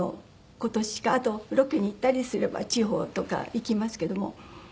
あとロケに行ったりすれば地方とか行きますけども。